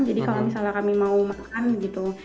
jadi kalau misalnya kami mau makan gitu di restoran